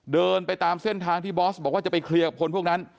เดินไปตามเส้นทางที่บอสบอกว่าจะไปเคลียร์กับคนพวกนั้น